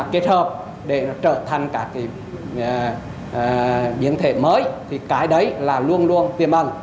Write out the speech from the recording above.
kết hợp để nó trở thành các biến thể mới thì cái đấy là luôn luôn tiềm ẩn